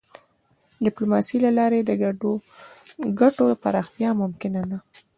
د ډيپلوماسی له لارې د ګډو ګټو پراختیا ممکنه ده.